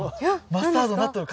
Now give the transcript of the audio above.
マスタードになっとる。